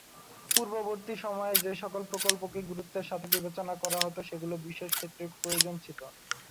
পূর্ববর্তী সময়ে যে সকল প্রকল্পকে গুরুত্বের সাথে বিবেচনা করা হত সেগুলো বিশেষ ক্ষেত্রে প্রয়োজন ছিল।